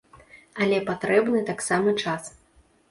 Але патрэбны таксама час.